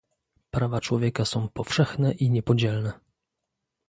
Prawa człowieka są powszechne i niepodzielne